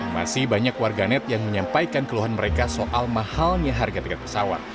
masih banyak warganet yang menyampaikan keluhan mereka soal mahalnya harga tiket pesawat